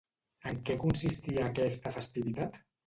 En què consistia aquesta festivitat?